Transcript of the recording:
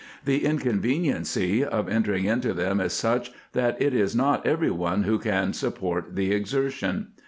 The inconveniency of entering into them is such, that it is not every one who can support the exertion.